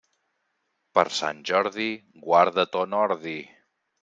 Per Sant Jordi, guarda ton ordi.